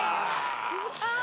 あ！